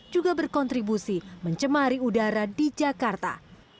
juga berkontribusi mencemari udara di jakarta